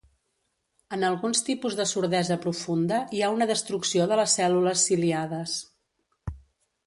En alguns tipus de sordesa profunda, hi ha una destrucció de les cèl·lules ciliades.